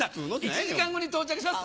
１時間後に到着します